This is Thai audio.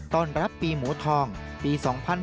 ตอนรับปีหมูทองปี๒๕๕๙